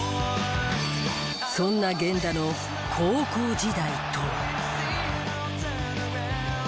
そんな源田の高校時代とは？